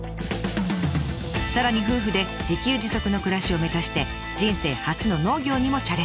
さらに夫婦で自給自足の暮らしを目指して人生初の農業にもチャレンジ。